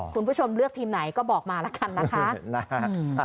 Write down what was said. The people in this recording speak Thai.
คุณผู้ชมเลือกทีมไหนก็บอกมาแล้วกันนะคะ